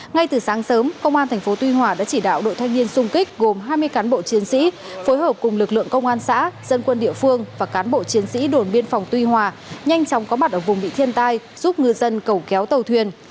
ngay từ sáng sớm công an tp tuy hòa đã chỉ đạo đội thanh niên sung kích gồm hai mươi cán bộ chiến sĩ phối hợp cùng lực lượng công an xã dân quân địa phương và cán bộ chiến sĩ đồn biên phòng tuy hòa nhanh chóng có mặt ở vùng bị thiên tai giúp ngư dân cầu kéo tàu thuyền